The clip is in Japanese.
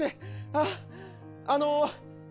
あっあの。